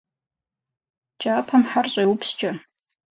Кӏапэм хьэр щӏеупскӏэ.